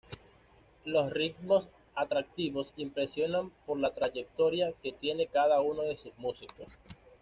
Los ritmos atractivos impresionan por la trayectoria que tienen cada uno de sus músicos.